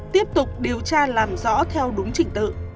tiếp tục điều tra làm rõ theo đúng trình tự